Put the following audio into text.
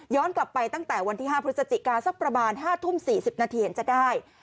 ย้อนกลับไปตั้งแต่วันที่ห้าพฤศจิกาสักประมาณห้าทุ่มสี่สิบนาทีจะได้